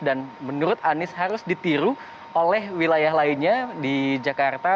dan menurut anies harus ditiru oleh wilayah lainnya di jakarta